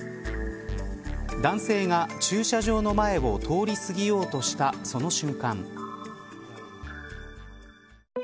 男性が駐車場の前を通り過ぎようとしたその瞬間。